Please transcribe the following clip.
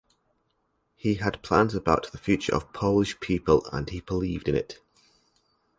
He had plans about the future of Polish people and he believed in it.